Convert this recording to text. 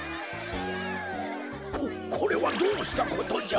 ここれはどうしたことじゃ？